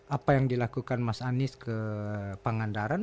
apa yang dilakukan mas anies ke pangandaran